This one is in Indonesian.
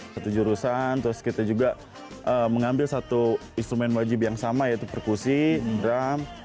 satu jurusan terus kita juga mengambil satu instrumen wajib yang sama yaitu perkusi drum